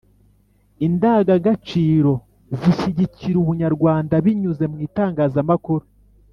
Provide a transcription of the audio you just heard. indangagaciro zishyigikira ubunyarwanda binyuze mu itangazamakuru